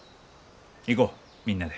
行こうみんなで。